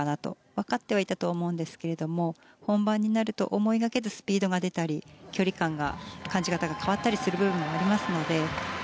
わかってはいたと思うんですけど本番になると、思いがけずスピードが出たり距離感が感じ方が変わったりする部分もありますので。